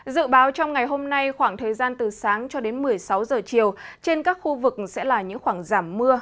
dự báo trong ngày hôm nay khoảng thời gian từ sáng cho đến một mươi sáu giờ chiều trên các khu vực sẽ là những khoảng giảm mưa